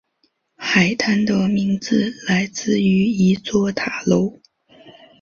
海滩的名字来自于一座塔楼。